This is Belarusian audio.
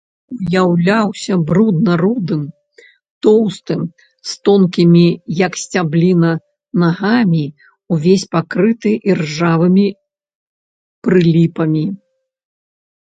Уяўляўся брудна-рудым, тоўстым, з тонкімі, як сцябліна, нагамі, увесь пакрыты іржавымі прыліпамі.